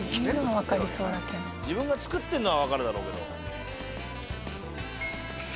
自分が作ってんのはわかるだろうけど。